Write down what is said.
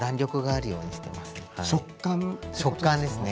食感ですね。